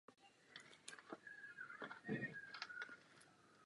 Po skončení druhé světové války byl Hoffmann odsouzen na čtyři roky vězení.